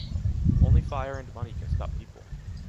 Only fire and money can stop people.